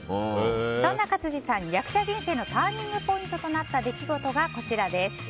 そんな勝地さん、役者人生のターニングポイントとなった出来事がこちらです。